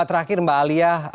terakhir mbak alia